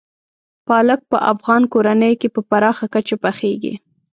پالک په افغان کورنیو کې په پراخه کچه پخېږي.